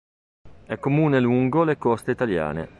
È comune lungo le coste italiane.